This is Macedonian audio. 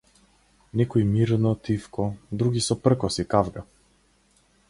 Некои мирно, тивко, други со пркос и кавга.